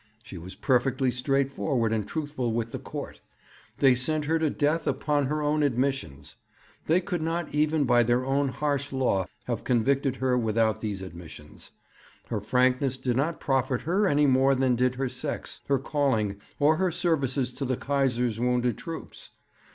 She was perfectly straightforward and truthful with the court. They sent her to her death upon her own admissions. They could not, even by their own harsh law, have convicted her without these admissions. Her frankness did not profit her any more than did her sex, her calling, or her services to the Kaiser's wounded troops.